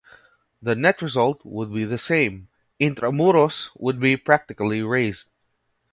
The net result would be the same: Intramuros would be practically razed.